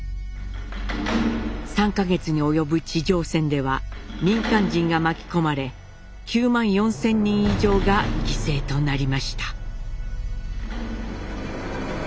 ３か月に及ぶ地上戦では民間人が巻き込まれ９万４，０００人以上が犠牲となりました。